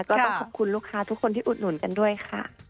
ก็ต้องขอบคุณลูกค้าทุกคนที่อุดหนุนกันด้วยค่ะ